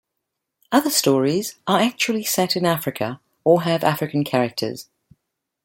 Other stories are actually set in Africa or have African characters.